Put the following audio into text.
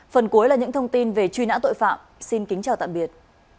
phần cuối là những thông tin về truy nã tội phạm xin kính chào tạm biệt